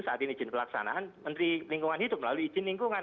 saat ini izin pelaksanaan menteri lingkungan hidup melalui izin lingkungan